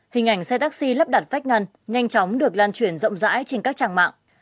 hình ảnh xe taxi lắp đặt vách ngăn nhanh chóng được lan truyền rộng rãi trên các trang mạng